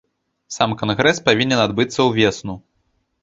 Сам кангрэс павінен адбыцца ўвесну.